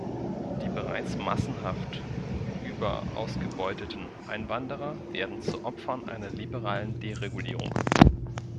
Die bereits massenhaft überausgebeuteten Einwanderer werden zu Opfern einer liberalen Deregulierung.